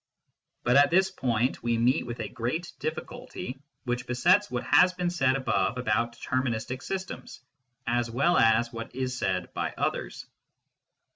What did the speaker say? But at this point we meet with a great difficulty, which besets what has been said above about deterministic systems, as well as what is said by others.